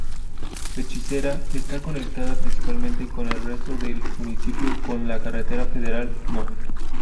Hechicera está conectada principalmente con el resto del municipio con la carretera federal No.